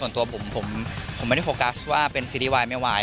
ส่วนตัวผมผมไม่ได้โฟกัสว่าเป็นซีรีส์วายไม่วาย